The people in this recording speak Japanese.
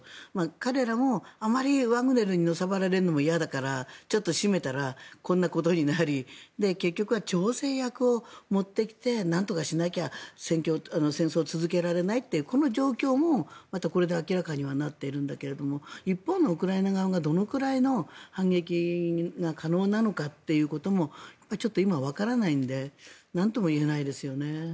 彼らも、あまりワグネルにのさばられるのも嫌だからちょっと締めたらこんなことになり結局は調整役を持ってきてなんとかしなきゃ戦争を続けられないというこの状況も、これで明らかにはなってるんだけど一方のウクライナ側がどれくらいの反撃が可能なのかということもちょっと今、わからないのでなんとも言えないですよね。